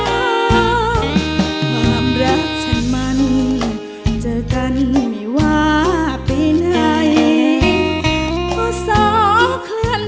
ความรักฉันมันเจอกันไม่ว่าปีไหน